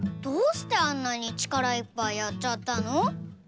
どうしてあんなに力いっぱいやっちゃったの？